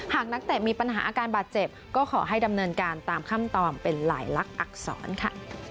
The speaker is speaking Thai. นักเตะมีปัญหาอาการบาดเจ็บก็ขอให้ดำเนินการตามขั้นตอนเป็นหลายลักษณ์อักษรค่ะ